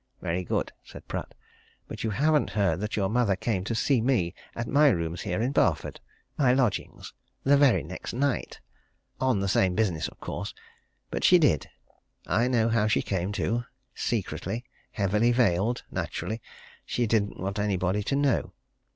"Very good," said Pratt. "But you haven't heard that your mother came to see me at my rooms here in Barford my lodgings the very next night! On the same business, of course. But she did I know how she came, too. Secretly heavily veiled naturally, she didn't want anybody to know.